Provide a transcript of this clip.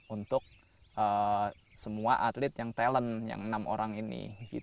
untuk semua atlet yang talent yang enam orang ini